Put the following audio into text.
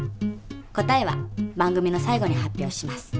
答えは番組の最後に発表します。